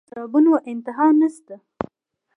د سرابونو انتها نشته